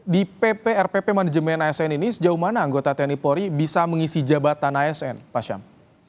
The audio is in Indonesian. di pprpp manajemen asn ini sejauh mana anggota tni polri bisa mengisi jabatan asn pak syam